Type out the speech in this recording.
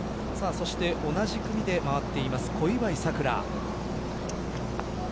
同じ組で回っています小祝さくら。